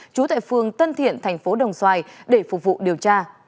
trú tại phường tân thiện thành phố đồng xoài để phục vụ điều tra